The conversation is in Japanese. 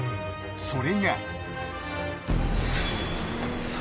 ［それが］